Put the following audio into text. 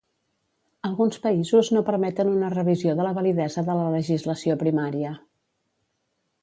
Alguns països no permeten una revisió de la validesa de la legislació primària.